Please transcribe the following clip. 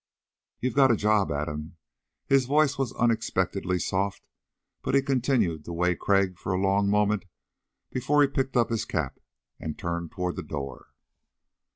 "You've got a job, Adam." His voice was unexpectedly soft but he continued to weigh Crag for a long moment before he picked up his cap and turned toward the door.